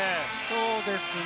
そうですね。